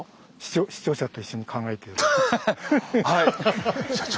視聴者と一緒に考えてよ。